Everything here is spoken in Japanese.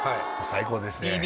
最高ですね。